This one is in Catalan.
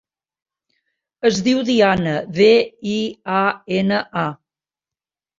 Es diu Diana: de, i, a, ena, a.